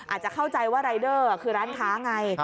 อาจจะเข้าใจว่ารายเดอร์คือร้านค้าไง